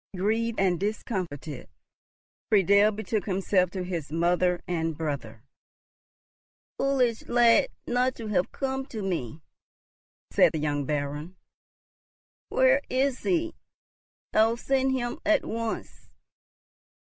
Grieved and discomfited, Friedel betook himself to his mother and brother. "Foolish lad not to have come to me!" said the young Baron. "Where is he? I'll send him at once."